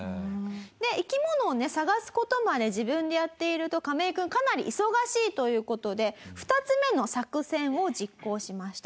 で生き物をね探す事まで自分でやっているとカメイ君かなり忙しいという事で２つ目の作戦を実行しました。